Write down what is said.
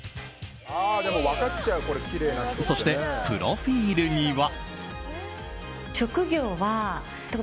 そして、プロフィールには。